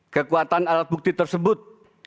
kekuatan alat bukti tersebut